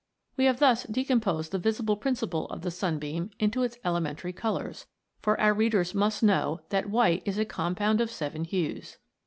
We have thus decomposed the visible principle of the sunbeam into its elementary colours, for our readers must know that white is a compound of seven hues.